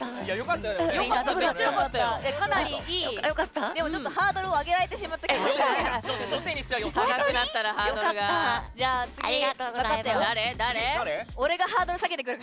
かなりいいでも、ハードルを上げられてしまった気もする。